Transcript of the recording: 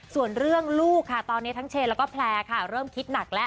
ส่วนเรื่องลูกค่ะตอนนี้ทั้งเชนแล้วก็แพลร์ค่ะเริ่มคิดหนักแล้ว